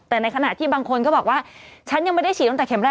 แต่ในขณะที่บางคนก็บอกว่าฉันยังไม่ได้ฉีดตั้งแต่เข็มแรก